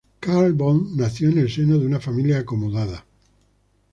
Karl Böhm nació en el seno de una familia acomodada.